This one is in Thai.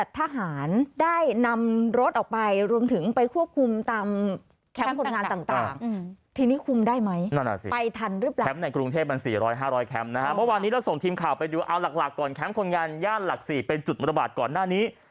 แถมคนงานย่านหลัก๔เป็นจุดบรรตบาทก่อนหน้านี้